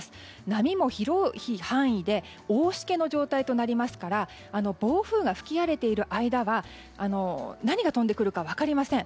波も広い範囲で大しけの状態となりますから暴風が吹き荒れている間は何が飛んでくるか分かりません。